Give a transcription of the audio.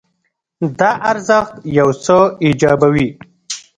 دا ارزښت یو څه ایجابوي.